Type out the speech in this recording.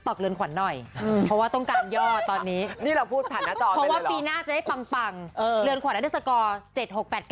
ปกติผมขับรถผมไม่ค่อยเจอ